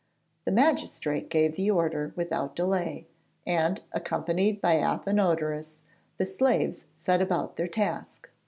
The magistrate gave the order without delay, and, accompanied by Athenodorus, the slaves set about their task.